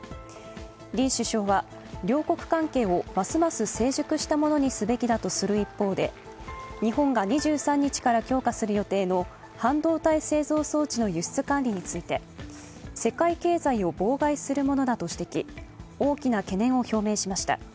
李首相は両国関係をますます成熟したもにすべきだとする一方で日本が２３日から強化する予定の半導体製造装置の輸出管理について世界経済を妨害するものだと指摘、大きな懸念を表明しました。